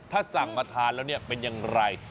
ถ้าสั่งมาทานแล้วเนี่ยเป็นอย่างไร